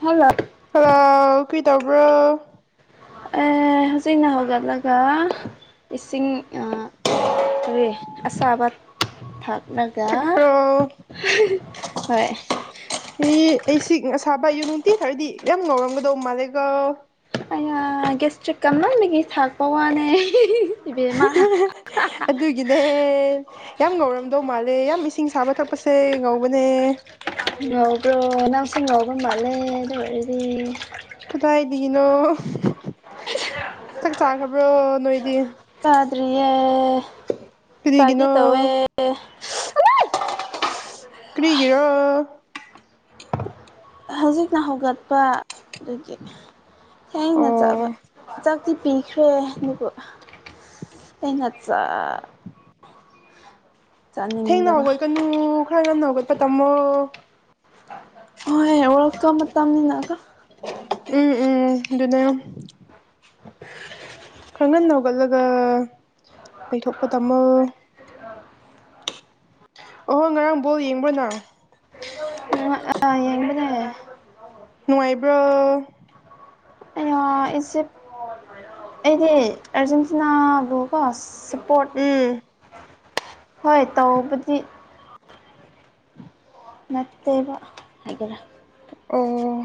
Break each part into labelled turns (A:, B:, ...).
A: hello
B: hello ꯀꯔꯤ ꯇꯧꯕ꯭ꯔꯥ
A: ꯍꯧꯖꯤꯛꯅ ꯍꯧꯒꯠꯂꯒ ꯏꯁꯤꯡ ꯑꯥ ꯀꯔꯤ ꯑꯁꯥꯕ ꯊꯛ ꯅꯪꯀꯥ
B: ꯊꯛꯄ꯭ꯔꯣ
A: ꯍꯣꯏ
B: ꯃꯤ ꯏꯁꯤꯡ ꯑꯁꯥꯕ ꯅꯨꯡꯇꯤꯒꯤ ꯊꯛꯔꯗꯤ ꯌꯥꯝ ꯉꯥꯎꯔꯝꯒꯗꯧ ꯃꯥꯜꯂꯦꯒ
A: ꯑꯩꯃꯥ ꯒꯦꯁꯇ꯭ꯔꯤꯛ ꯀꯟꯃꯟꯕꯒꯤ ꯊꯛꯄ ꯋꯥꯅꯦ ꯏꯕꯦꯝꯃ
B: ꯑꯗꯨꯒꯤꯅꯦ ꯌꯥꯝ ꯉꯧꯔꯝꯗꯧ ꯃꯥꯜꯂꯦ ꯌꯥꯝ ꯏꯁꯤꯡ ꯁꯥꯕ ꯊꯛꯄꯁꯦ ꯉꯧꯕꯅꯦ
A: ꯉꯧꯕ꯭ꯔꯣ ꯅꯪꯁꯨ ꯉꯧꯕ ꯃꯥꯜꯂꯦ ꯑꯗꯨ ꯑꯣꯏꯔꯗꯤ
B: ꯀꯗꯥꯏꯗꯒꯤꯅꯣ ꯆꯥꯛ ꯆꯥꯈ꯭ꯔꯕ꯭ꯔꯣ ꯅꯣꯏꯗꯤ
A: ꯆꯗ꯭ꯔꯤꯌꯦ ꯆꯥꯒꯦ
B: ꯀꯔꯤꯒꯤꯅꯣ
A: ꯇꯧꯋꯦ
B: ꯀ꯭ꯔꯤꯒꯤꯔꯣ
A: ꯍꯧꯖꯤꯛꯅ ꯍꯧꯒꯠꯄ ꯑꯗꯨꯒꯤ ꯊꯦꯡꯅ ꯆꯥꯕ
B: ꯑꯣ
A: ꯁꯤ ꯄꯤꯈ꯭ꯔꯦ ꯑꯗꯨꯕꯨ ꯑꯩꯅ
B: ꯊꯦꯡꯅ
A: ꯆꯥꯅꯤꯡꯗꯕ
B: ꯍꯧꯒꯠꯀꯅꯨ ꯈꯔ ꯉꯟꯅ ꯍꯧꯒꯠꯄ ꯇꯝꯃꯣ
A: ꯍꯣꯏ ꯋꯥꯔ ꯀꯞ ꯃꯇꯝꯅꯤꯅꯀꯣ
B: ꯎꯝ ꯎꯝ ꯗꯨꯅꯦꯜ
A: [inaudible]
B: ꯑꯗꯨꯒ ꯂꯩꯩꯊꯣꯛꯄ ꯇꯝꯃꯣ ꯑꯍꯣꯏ ꯉꯔꯥꯡ ꯕꯣꯜ ꯌꯦꯡꯕ꯭ꯔ ꯅꯪ
A: ꯑꯡ ꯑꯥ ꯌꯦꯡꯕꯅꯦ
B: ꯅꯨꯡꯉꯥꯏꯕ꯭ꯔꯣ
A: ꯑꯩꯌꯥ ꯏꯖꯤꯞ ꯑꯩꯗꯤ ꯑꯔꯖꯦꯟꯇꯤꯅꯥꯕꯨ ꯀꯣ ꯁꯞ ꯄꯣꯠ
B: ꯎꯝ
A: ꯍꯣꯏ ꯇꯧꯕꯗꯤ ꯅꯠꯇꯦꯕ ꯑꯥꯏꯒꯦꯔꯥ
B: ꯑꯣ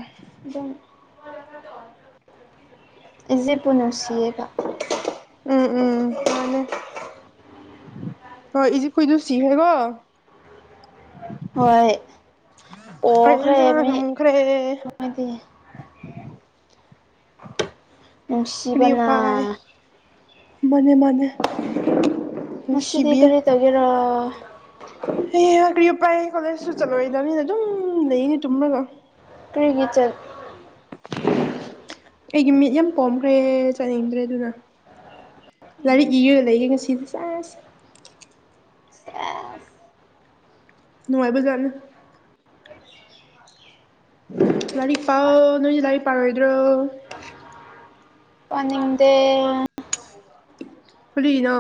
A: ꯏꯖꯤꯞꯄꯨ ꯅꯨꯡꯁꯤꯌꯦꯕ
B: ꯎꯝ ꯎꯝ ꯃꯥꯅꯦ ꯍꯣꯏ ꯏꯖꯤꯞ ꯀꯨꯏꯗꯨ ꯁꯤꯈ꯭ꯔꯦꯀꯣ
A: ꯍꯣꯏ ꯄꯣꯈ꯭ꯔꯦ
B: ꯑꯥꯔꯖꯦꯟꯇꯤꯅꯥꯅ
A: ꯃꯤ
B: ꯉꯝꯈ꯭ꯔꯦ
A: ꯃꯣꯏꯗꯤ ꯅꯨꯡꯁꯤꯕꯅ
B: ꯃꯅꯦ ꯃꯅꯦ
A: ꯉꯁꯤꯗꯤ
B: ꯅꯨꯡꯁꯤꯕꯤꯌꯦ
A: ꯀꯔꯤ ꯇꯧꯒꯦꯔꯣ
B: ꯍꯦ ꯍꯥ ꯀꯔꯤ ꯎꯄꯥꯏ ꯀꯣꯂꯦꯖꯁꯨ ꯆꯠꯂꯣꯏꯗꯕꯅꯤꯅ ꯑꯗꯨꯝ ꯂꯩꯅꯤ ꯇꯨꯝꯔꯒ
A: ꯀ꯭ꯔꯤꯒꯤ ꯆꯠ
B: ꯑꯩꯒꯤ ꯃꯤꯠ ꯌꯥꯝ ꯄꯣꯝꯈ꯭ꯔꯦ ꯆꯠꯅꯤꯡꯗ꯭ꯔꯦ ꯑꯗꯨꯅ ꯂꯥꯏꯔꯤꯛ ꯏꯔꯒ ꯂꯩꯒꯦ ꯉꯁꯤꯗꯤ ꯁꯦꯁ ꯅꯨꯡꯉꯥꯏꯕꯖꯥꯠꯅꯤ ꯂꯥꯏꯔꯤꯛ ꯄꯥꯎ ꯅꯣꯏꯗꯤ ꯂꯥꯏꯔꯤꯛ ꯄꯔꯣꯏꯗ꯭ꯔꯣ
A: ꯄꯥꯅꯤꯡꯗꯦ
B: ꯀꯔꯤꯅꯣ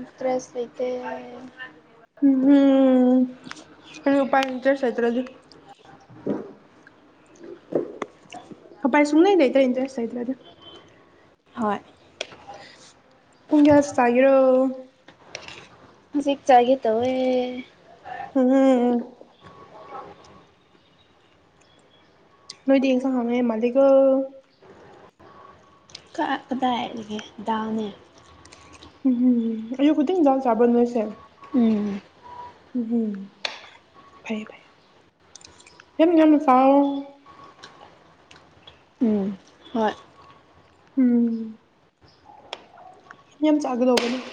A: ꯏꯟꯇ꯭ꯔꯦꯁ ꯂꯩꯇꯦ
B: ꯎꯝꯍꯝ ꯀꯔꯤ ꯎꯄꯥꯥꯏ ꯂꯩ ꯏꯟꯇꯔꯦꯁ ꯂꯩꯇ꯭ꯔꯗꯤ ꯎꯄꯥꯏ ꯁꯨꯡꯂꯩ ꯂꯩꯇ꯭ꯔꯦ ꯏꯟꯇꯔꯦꯁ ꯂꯩꯇ꯭ꯔꯗꯤ
A: ꯍꯣꯏ
B: ꯄꯨꯨꯡ ꯀꯌꯥ ꯆꯥꯒꯦꯔꯣ
A: ꯍꯧꯖꯤꯛꯆꯥꯒꯦ ꯇꯋꯦ
B: ꯎꯝ ꯅꯣꯏꯗꯤ ꯏꯟꯁꯥꯡ ꯍꯥꯎꯅꯩ ꯃꯥꯜꯂꯤꯀꯣ
A: ꯑꯥ ꯀꯗꯥꯏꯗꯒꯤ ꯗꯥꯜꯅꯦ
B: ꯎꯝ ꯑꯌꯨꯛ ꯈꯨꯗꯤꯡ ꯗꯥꯎ ꯆꯥꯕ ꯅꯣꯏꯁꯦ
A: ꯎꯝ
B: ꯎꯝꯍꯝ ꯐꯩ ꯐꯩ ꯌꯥꯝ ꯌꯥꯝ ꯆꯥꯎꯑꯣ
A: ꯎꯝ ꯍꯣꯏ
B: ꯎꯝ ꯌꯥꯝ ꯆꯥꯒꯗꯧꯕꯅꯤ ꯑꯍꯝ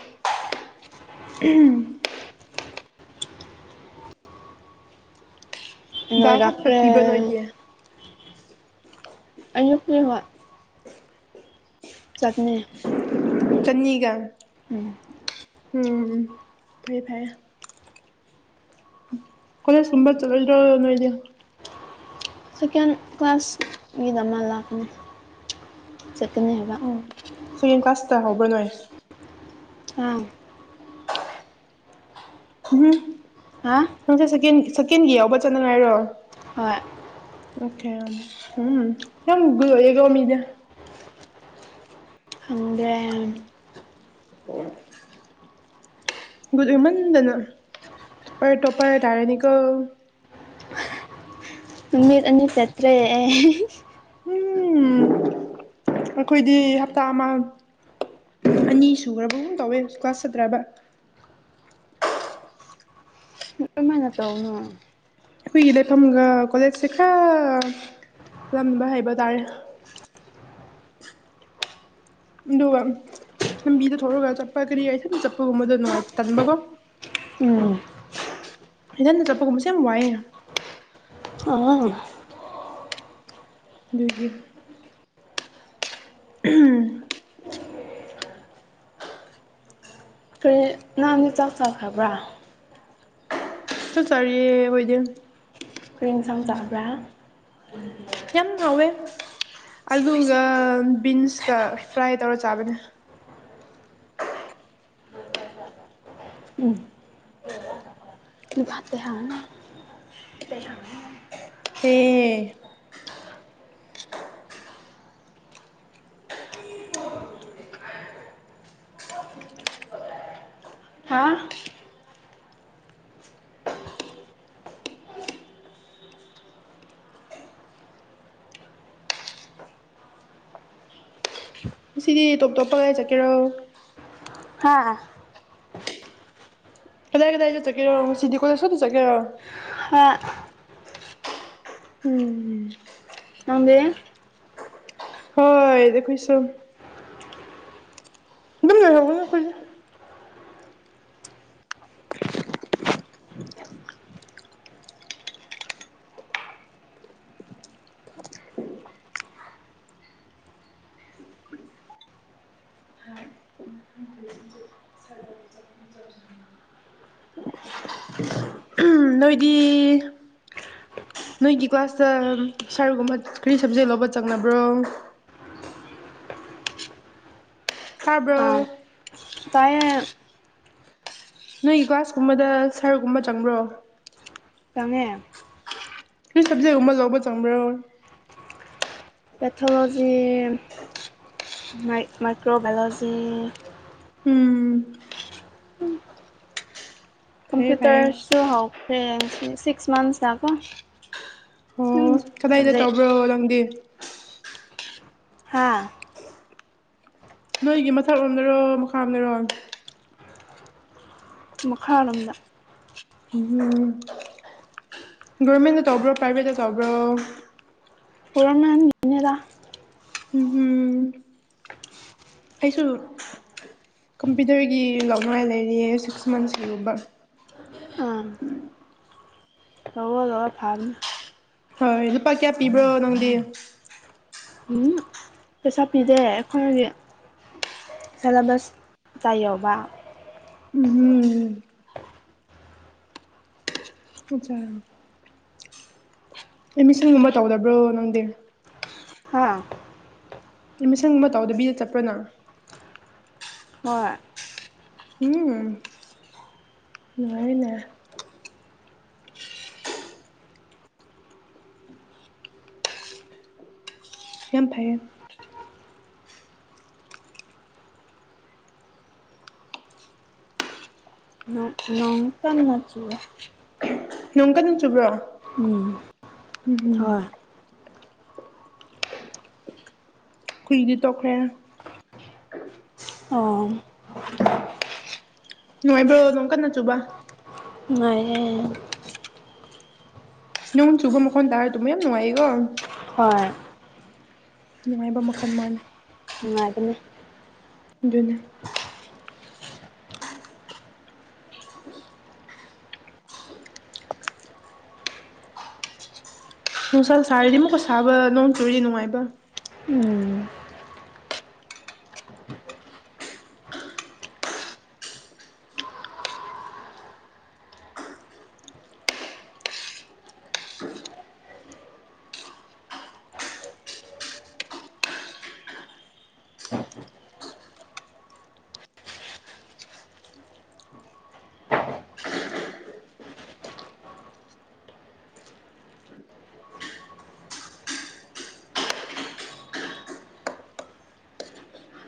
A: ꯅꯣꯏ
B: ꯗꯥꯜ ꯈꯛꯇ
A: ꯂꯥꯛꯇꯦ
B: ꯄꯤꯕ꯭ꯔꯥ ꯅꯣꯏꯗꯤ
A: ꯑꯌꯨꯛꯀꯤ ꯍꯣꯏ ꯆꯠꯅꯤ
B: ꯆꯠꯅꯤꯒ
A: ꯎꯝ
B: ꯎꯝ ꯐꯔꯦ ꯐꯔꯦ ꯀꯣꯂꯦꯖ ꯀꯨꯝꯕ ꯆꯠꯂꯣꯏꯗ꯭ꯔꯣ ꯅꯣꯏꯗꯤ
A: ꯁꯦꯀꯦꯟ ꯀ꯭ꯂꯥꯁ ꯒꯤꯗ ꯑꯃ ꯂꯥꯛꯀꯅꯤ ꯆꯠꯀꯅꯤ ꯍꯥꯏꯕ
B: ꯑꯣ ꯁꯦꯀꯦꯟ ꯀ꯭ꯂꯥꯁ ꯇꯥ ꯍꯧꯕ꯭ꯔꯥ ꯅꯣꯏ
A: ꯑꯥ
B: ꯎꯝꯍꯨꯝ
A: ꯍꯥ
B: ꯅꯪꯁꯦ ꯁꯦꯀꯦꯟ ꯁꯦꯀꯦꯟꯒꯤ ꯌꯥꯎꯕ ꯆꯠꯅꯉꯥꯏꯔꯣ
A: ꯍꯣꯏ
B: ꯑꯣꯀꯦ ꯎꯝ ꯌꯝ ꯒꯨꯗ ꯑꯣꯏꯀꯣ ꯃꯤꯗꯤ
A: ꯈꯪꯗ꯭ꯔꯦ
B: ꯒꯨꯗ ꯑꯣꯏꯃꯟꯗꯅ ꯇꯣꯄꯔ ꯇꯣꯄꯔ ꯇꯔꯅꯤꯀꯣ
A: ꯅꯨꯃꯤꯠ ꯑꯅꯤ ꯆꯠꯇ꯭ꯔꯦ ꯑꯩ ꯍꯤꯍꯤ
B: ꯎꯝ ꯑꯩꯈꯣꯏꯗꯤ ꯍꯞꯇꯥ ꯑꯃ ꯑꯅꯤ ꯁꯨꯈ꯭ꯔꯕꯒꯨꯝ ꯇꯧꯋꯦ ꯀ꯭ꯂꯥꯁ ꯆꯠꯗ꯭ꯔꯕ
A: ꯀꯃꯥꯏꯅ ꯇꯧꯅꯣ
B: ꯑꯩꯈꯣꯏꯒꯤ ꯂꯩꯐꯝꯒ ꯀꯣꯂꯦꯖ ꯁꯦ ꯈꯔ ꯂꯝꯕ ꯍꯥꯏꯕ ꯇꯥꯔꯦ ꯑꯗꯨꯒ ꯂꯝꯕꯤꯗ ꯊꯣꯛꯔꯒ ꯆꯠꯄ ꯀꯔꯤ ꯑꯩꯊꯟ ꯆꯠꯄꯒꯨꯝꯕꯗ ꯅꯨꯡꯉꯥꯏ ꯇꯟꯕꯀꯣ
A: ꯎꯝ
B: ꯏꯊꯟꯗ ꯆꯠꯄꯒꯨꯝꯕꯁꯦ ꯌꯥꯝ ꯋꯥꯏꯌꯦ
A: ꯑꯪ
B: ꯗꯨꯒꯤ ꯑꯍꯝ
A: ꯀꯔꯤ ꯅꯪꯗꯤ ꯆꯥꯛ ꯆꯥꯈ꯭ꯔꯕ꯭ꯔꯥ
B: ꯆꯥꯛ ꯆꯔꯤꯌꯦ ꯑꯩꯈꯣꯏꯗꯤ
A: ꯀꯔꯤ ꯢꯟꯁꯥꯡ ꯆꯥꯕ꯭ꯔꯥ
B: ꯌꯥꯝ ꯍꯥꯎꯋꯦ ꯑꯂꯨꯒ ꯕꯤꯟꯁꯀ ꯐ꯭ꯔꯥꯏ ꯇꯧꯔꯒ ꯆꯥꯕꯅꯦ
A: ꯂꯨꯕꯥꯠꯇꯦ ꯍꯥꯎꯅꯦ ꯇꯦꯍꯥꯡ
B: ꯍꯦ
A: ꯍꯥ
B: ꯉꯁꯤꯗꯤ ꯇꯣꯞ ꯇꯣꯞꯄ ꯀꯗꯥꯢ ꯆꯠꯀꯦꯔꯣ
A: ꯍꯥꯥ
B: ꯀꯗꯥꯏ ꯀꯗꯥꯏ ꯆꯠꯇꯣꯢꯒꯦꯔꯣ ꯉꯁꯤꯗꯤ ꯀꯣꯂꯦꯁ ꯀꯛꯇꯥ ꯆꯠꯀꯦꯔꯣ
A: ꯍꯣꯏ
B: ꯎꯝ
A: ꯅꯪꯗꯤ
B: ꯍꯣꯏ ꯑꯩꯈꯣꯏ ꯁꯨꯝ ꯗꯨꯝ ꯂꯩꯍꯧꯒꯅꯤ ꯑꯩꯈꯣꯢꯗꯤ ꯎꯝ ꯅꯣꯏꯗꯤ ꯅꯣꯏꯒꯤ ꯀ꯭ꯂꯥꯁꯇ ꯁꯥꯔꯒꯨꯝꯕ ꯀꯔꯤ ꯁꯕꯖꯦꯛ ꯂꯧꯕ ꯆꯪꯅꯕ꯭ꯔꯣ ꯇꯥꯕ꯭ꯔꯣ
A: ꯑꯥ ꯇꯥꯏꯌꯦ
B: ꯅꯣꯏ ꯀ꯭ꯂꯥꯁ ꯀꯨꯝꯕꯗ ꯁꯥꯔꯒꯨꯝꯕ ꯆꯪꯕ꯭ꯔꯣ
A: ꯆꯪꯉꯦ
B: ꯀ꯭ꯔꯤ ꯁꯕꯖꯦꯛꯒꯨꯝꯕ ꯂꯧꯕ ꯆꯪꯕ꯭ꯔꯣ
A: ꯄꯦꯊꯣꯂꯣꯖꯤ ꯃꯥꯏ ꯃꯥꯏꯀ꯭ꯔꯣꯃꯦꯂꯣꯖꯤ
B: ꯎꯝ ꯐꯩꯌꯦ ꯐꯩꯌꯦ
A: ꯀꯝꯄ꯭ꯌꯨꯇꯔꯁꯨ ꯍꯧꯈ꯭ꯔꯦ ꯉꯁꯤ ꯁꯤꯛꯁ ꯃꯟꯁꯇꯀꯣ
B: ꯑꯣ ꯀꯗꯥꯏꯗ
A: ꯁꯕꯖꯦꯛ
B: ꯇꯧꯕ꯭ꯔꯣ ꯅꯪꯗꯤ
A: ꯍꯥꯥ
B: ꯅꯣꯏꯒꯤ ꯃꯊꯛꯔꯣꯝꯗꯔꯣ ꯃꯈꯥꯔꯣꯝꯗꯔꯣ
A: ꯃꯈꯥꯔꯣꯝꯗ
B: ꯎꯝ ꯒꯣꯚꯔꯃꯦꯟꯗ ꯇꯧꯕ꯭ꯔꯣ ꯄ꯭ꯔꯥꯏꯚꯦꯠꯇ ꯇꯧꯕ꯭ꯔꯣ
A: ꯒꯣꯚꯔꯃꯦꯟꯒꯤꯅꯦꯗ
B: ꯎꯝ ꯎꯝ ꯑꯩꯁꯨ ꯀꯝꯄ꯭ꯌꯨꯇꯔꯒꯤ ꯂꯧꯅꯉꯥꯏ ꯂꯩꯔꯤꯌꯦ ꯁꯤꯛꯁ ꯃꯟꯁ ꯀꯤꯒꯨꯝꯕ
A: ꯑꯥ ꯑꯣ ꯐꯕꯅꯤ
B: ꯍꯣꯏ ꯂꯨꯄꯥ ꯀꯌꯥ ꯄꯤꯕ꯭ꯔꯣ ꯅꯪꯗꯤ
A: ꯎꯝ ꯄꯩꯁꯥ ꯄꯤꯗꯦ ꯑꯩꯈꯣꯏꯒꯤ ꯁꯦꯜꯂꯦꯕꯁꯇ ꯌꯥꯎꯕ
B: ꯎꯝꯍꯝ ꯑꯆꯥ ꯑꯦꯠꯃꯤꯁꯟꯒꯨꯝꯕ ꯇꯧꯗꯕ꯭ꯔꯣ ꯅꯪꯗꯤ
A: ꯍꯥ
B: ꯑꯦꯠꯃꯤꯁꯒꯨꯝꯕ ꯇꯧꯗꯕꯤꯗ ꯆꯠꯄꯔꯥ ꯅꯪ
A: ꯍꯣꯏ
B: ꯎꯝ ꯅꯨꯡꯉꯥꯏꯌꯦꯅꯦ ꯌꯥꯝ ꯐꯩꯌꯦ
A: ꯅꯣꯡ ꯅꯣꯡ ꯀꯟꯅ ꯆꯨꯋꯦ
B: ꯅꯣꯡ ꯀꯟꯅ ꯆꯨꯕ꯭ꯔꯣ
A: ꯎꯝ
B: ꯎꯝ ꯎꯝ
A: ꯍꯣꯏ
B: ꯈꯨꯏꯗꯤ ꯇꯣꯛꯈ꯭ꯔꯦ
A: ꯑꯣ
B: ꯅꯨꯡꯉꯥꯏꯕ꯭ꯔꯣ ꯅꯣꯡ ꯀꯟꯅ ꯆꯨꯕ
A: ꯉꯥꯏꯑꯦ
B: ꯅꯣꯡ ꯆꯨꯕ ꯃꯈꯣꯟ ꯇꯥꯔ ꯇꯨꯝꯕ ꯌꯥꯝ ꯅꯨꯡꯉꯥꯏꯌꯦꯀꯣ
A: ꯍꯣꯏ
B: ꯅꯨꯡꯉꯥꯏꯕ ꯃꯈꯜ ꯃꯥꯥꯅꯦ
A: ꯅꯨꯡꯉꯥꯏꯕꯅꯦ
B: ꯑꯗꯨꯅꯦ ꯅꯨꯡꯁꯥ ꯁꯥꯔꯗꯤ ꯑꯃꯨꯛꯀ ꯁꯥꯕ ꯅꯣꯡ ꯆꯨꯔꯗꯤ ꯅꯨꯡꯉꯥꯏꯕ
A: ꯎꯝ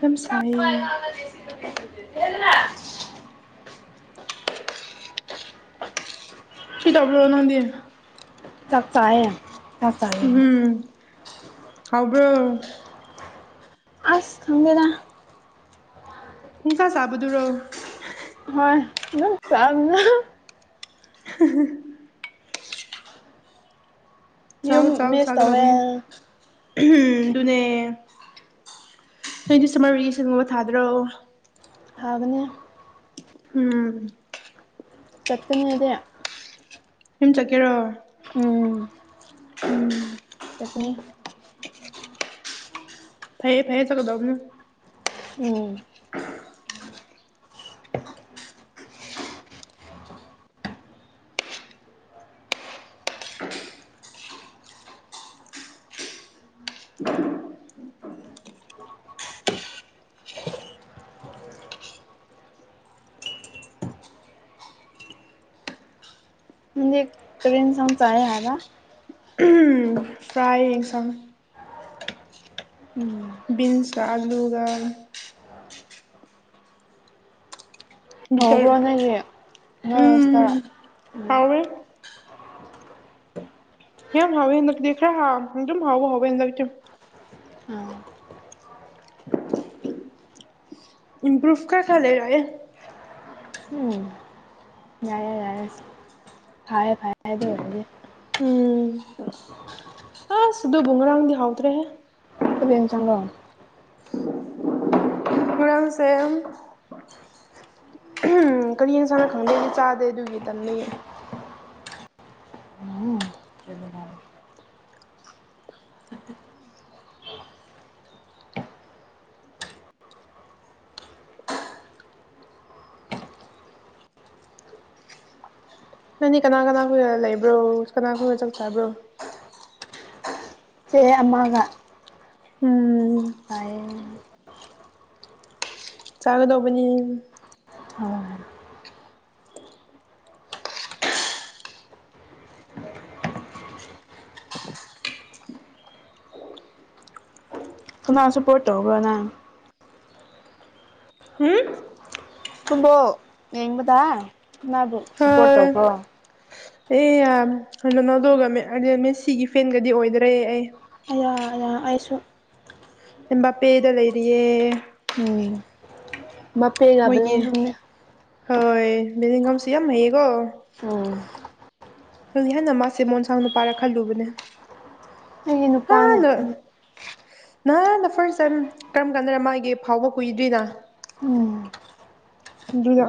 B: ꯌꯥꯝ ꯁꯥꯏꯌꯦ
A: [inaudible]
B: ꯀ꯭ꯔꯤ ꯇꯧꯕꯔꯣ ꯅꯪꯗꯤ
A: ꯆꯥꯛ ꯆꯥꯏꯌꯦ ꯆꯥꯛ ꯆꯥꯏꯌꯦ
B: ꯎꯝ ꯍꯥꯎꯕ꯭ꯔꯣ
A: ꯁ ꯈꯪꯗꯦꯗ
B: ꯄꯨꯡꯆꯥ ꯆꯥꯕꯗꯨꯔꯣ
A: [unintelligible]
B: [unintelligible] ꯆꯥꯎ
A: ꯌꯨꯝ
B: ꯆꯥꯎ
A: ꯃꯤꯁ ꯇꯧꯋꯦ
B: ꯆꯒꯗꯧꯕꯅꯦ [unintelligible] ꯑꯗꯨꯅꯦ ꯅꯣꯏꯗꯤ ꯁꯝꯃꯔ ꯚꯦꯀꯦꯁꯟꯒꯨꯝꯕ ꯊꯥꯗ꯭ꯔꯣ
A: ꯊꯥꯒꯅꯤ
B: ꯎꯝ
A: ꯆꯠꯀꯅꯦꯗꯦ
B: ꯌꯨꯝ ꯆꯠꯀꯦꯔꯣ ꯎꯝ
A: ꯆꯠꯀꯅꯤ
B: ꯐꯩꯌꯦ ꯐꯩꯌꯦ ꯆꯠꯀꯗꯧꯕꯅꯦ
A: ꯎꯝ ꯅꯪꯗꯤꯞ ꯀꯔꯤ ꯍꯤꯟꯖꯥꯡ ꯆꯥꯌꯦ ꯍꯥꯏꯕ
B: ꯐ꯭ꯔꯥꯏ ꯌꯦꯟꯁꯥꯡ
A: ꯎꯝ
B: ꯕꯤꯟꯁꯒ ꯑꯥꯂꯨꯒ
A: ꯍꯧꯕ꯭ꯔꯣ ꯅꯣꯏꯒꯤ
B: [unintelligible]
A: ꯅꯣꯏ ꯍꯣꯁꯇꯦꯜ
B: ꯎꯝ
A: ꯎꯝ
B: ꯍꯥꯎꯔꯦ ꯌꯥꯝ ꯍꯥꯎꯋꯦ ꯍꯟꯗꯛꯇꯤ ꯈꯔ ꯍꯥꯎ ꯑꯗꯨꯝ ꯍꯥꯎꯕ ꯍꯥꯎꯋꯦ ꯍꯟꯗꯛꯇꯤ
A: ꯑꯥ
B: ꯏꯝꯄ꯭ꯔꯨꯚ ꯈꯔ ꯈꯔ ꯂꯩꯔꯛꯑꯦ
A: ꯎꯝ ꯌꯥꯏꯌꯦ ꯌꯥꯏꯌꯦ [unintelligible]
B: ꯎꯝ ꯑꯁ ꯑꯗꯨꯕꯨ ꯉꯔꯥꯡꯗꯤ ꯍꯥꯎꯇ꯭ꯔꯦꯍꯦ
A: [unintelligible]
B: ꯉꯔꯥꯡꯁꯦ ꯀꯔꯤ ꯍꯤꯡꯖꯥꯡꯔ ꯈꯪꯗꯦꯗꯤ ꯆꯥꯗꯦ ꯑꯗꯨꯒꯤ ꯇꯟꯕꯒꯤ ꯅꯪꯗꯤ ꯀꯅꯥ ꯀꯅꯥ ꯈꯣꯏꯒ ꯂꯩꯕ꯭ꯔꯣ ꯀꯅꯥ ꯈꯣꯏꯒ ꯆꯥꯛ ꯆꯥꯕ꯭ꯔꯣ
A: ꯏꯆꯦ ꯑꯃꯒ
B: ꯎꯝ
A: ꯆꯥꯏꯌꯦ
B: ꯆꯥꯒꯗꯧꯕꯅꯤ
A: ꯍꯣꯏ ꯀꯅꯥ ꯁꯞꯄꯣꯔ꯭ꯠ ꯇꯧꯕ꯭ꯔꯣ ꯅꯪ
B: ꯍꯨꯝ
A: ꯐꯨꯠꯕꯣꯜ ꯌꯦꯡꯕꯗ ꯀꯅꯥꯕꯨ ꯁꯞꯄꯣꯔꯠ
B: ꯑꯥ
A: ꯇꯧꯕ꯭ꯔꯣ
B: ꯑꯩ ꯌꯥꯝ ꯀꯩ ꯔꯣꯅꯥꯜꯗꯣꯒ ꯃꯦꯁꯤꯒꯤ ꯐꯦꯟꯒꯗꯤ ꯑꯣꯏꯗ꯭ꯔꯦ ꯑꯩ
A: ꯑꯌꯥ ꯑꯌꯥ ꯑꯩꯁꯨ
B: ꯑꯦꯝꯕꯥꯞꯄꯦꯗ ꯂꯩꯔꯤꯌꯦ
A: ꯕꯥꯄꯦ
B: ꯃꯣꯏꯒꯤ
A: ꯑꯣꯢꯖꯒꯦ [unintelligible]
B: ꯍꯣꯏ ꯕꯤꯂꯤꯡꯒꯝꯁꯨ ꯌꯥꯝ ꯍꯩꯌꯦꯀꯣ
A: ꯎꯝ
B: [unintelligible] ꯍꯥꯟꯅ ꯃꯥꯁꯦ ꯃꯣꯟꯁꯥꯡ ꯅꯨꯄꯥꯔ ꯈꯜꯂꯨꯕꯅꯦ
A: [unintelligible] ꯅꯨꯄꯥꯅꯦ
B: ꯍꯥꯟꯅ ꯅꯍꯥꯟꯅ ꯐꯥꯔꯁ ꯇꯥꯏꯝ ꯀꯔꯝ ꯀꯥꯟꯗꯅ ꯃꯥꯒꯤ ꯐꯥꯎꯕ ꯀꯨꯏꯗ꯭ꯔꯤꯅ
A: ꯎꯝ
B: ꯑꯗꯨꯅ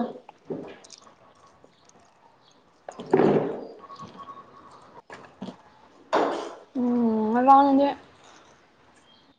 B: [inaudible]
A: ꯎꯝ ꯉꯔꯥꯡꯗꯤ